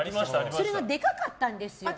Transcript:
それがでかかったんですよ。